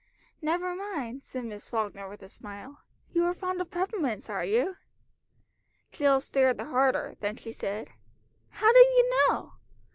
"Never mind," said Miss Falkner with a smile. "You are fond of peppermints, are you?" Jill stared the harder, then she said "How did you know?